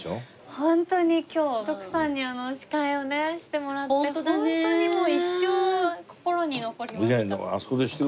ホントに今日徳さんに司会をねしてもらってホントにもう一生心に残りました。